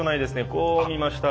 こう見ましたら。